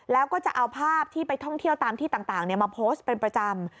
แล้วก็จะเอาภาพที่ไปท่องเที่ยวตามที่ต่างมาโพสต์เป็นประจำ